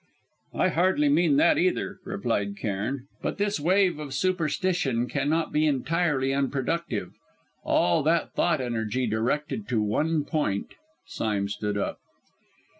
"I hardly mean that, either," replied Cairn, "but this wave of superstition cannot be entirely unproductive; all that thought energy directed to one point " Sime stood up.